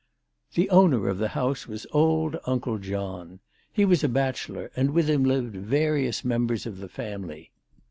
The owner of the house was old Uncle John. He was a bachelor, and with him lived various members of the family.